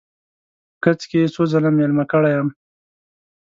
په کڅ کې یې څو ځله میلمه کړی یم.